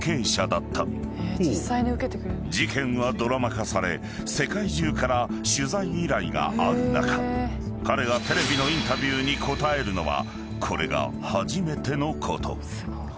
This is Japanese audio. ［事件はドラマ化され世界中から取材依頼がある中彼がテレビのインタビューに応えるのはこれが初めてのこと］